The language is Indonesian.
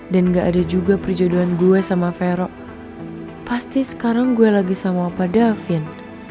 dan gak ada juga perjodohan gue sama vero pasti sekarang gue lagi sama opa davin